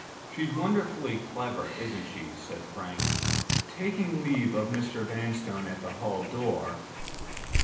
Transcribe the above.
"She's wonderfully clever, isn't she?" said Frank, taking leave of Mr. Vanstone at the hall door.